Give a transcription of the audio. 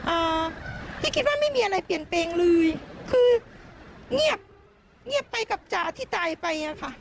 อ่าคือคิดว่าไม่มีอะไรเปลี่ยนแปลงเลยคือเงียบเงียบไปกับจ๋าที่ตายไปอ่ะค่ะ